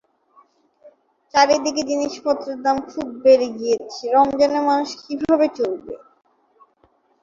বর্তমানে ভারতের পশ্চিমবঙ্গ, আসাম, ঝাড়খন্ড ও বাংলাদেশে এদের বসবাস।